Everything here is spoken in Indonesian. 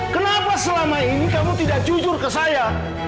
kenapa selama ini kamu tidak jujur ke saya